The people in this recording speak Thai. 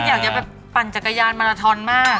อยากจะไปปั่นจักรยานมาลาทอนมาก